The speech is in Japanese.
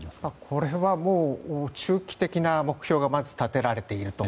これはもう中期的な目標がまず立てられていると。